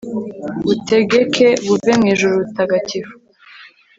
butegeke buve mu ijuru ritagatifu